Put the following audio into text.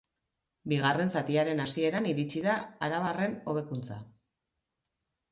Bigarren zatiaren hasieran iritsi da arabarren hobekuntza.